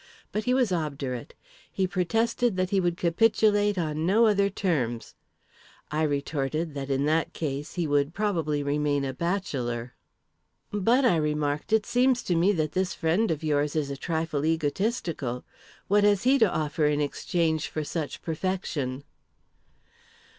But he was obdurate. He protested that he would capitulate on no other terms. I retorted that, in that case, he would probably remain a bachelor." "But," I remarked, "it seems to me that this friend of yours is a trifle egotistical. What has he to offer in exchange for such perfection?"